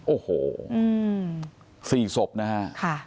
โอ้โหสี่ศพนะฮะ